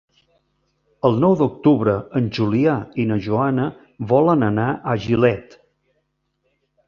El nou d'octubre en Julià i na Joana volen anar a Gilet.